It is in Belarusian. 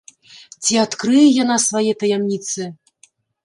Ці адкрые яна свае таямніцы?